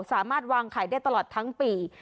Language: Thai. สามารถวางขายได้ตลอดทั้งปี